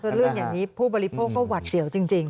คือเรื่องอย่างนี้ผู้บริโภคก็หวัดเสียวจริง